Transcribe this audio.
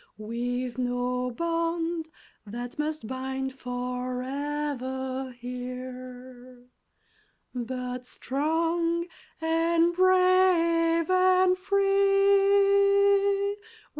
With no bond that must bind forever here, but strong and brave and free!